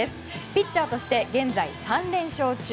ピッチャーとして現在３連勝中。